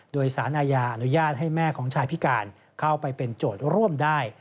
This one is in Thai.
โดยสารอาญาอนุญาตให้แม่ของชายพิการเข้าไปเป็นโจทย์ร่วมได้